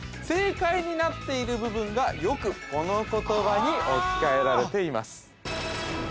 正解になっている部分がよくこの言葉に置き換えられています